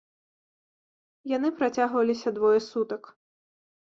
Яны працягваліся двое сутак.